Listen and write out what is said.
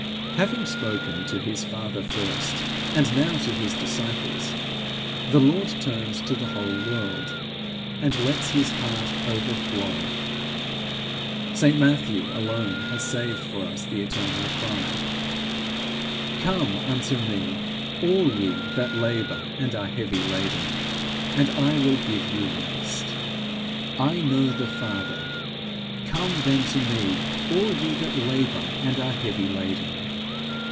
Having spoken to his father first, and now to his disciples, the Lord turns to the whole world, and lets his heart overflow: St Matthew alone has saved for us the eternal cry: 'Come unto me all ye that labour and are heavy laden, and I will give you rest.' 'I know the Father; come then to me, all ye that labour and are heavy laden.'